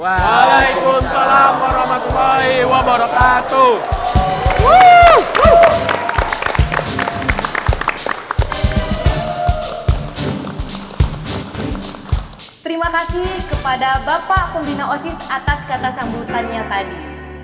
terima kasih kepada bapak pembina osis atas kata sambutan yang tadi